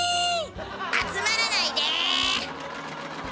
⁉集まらないで！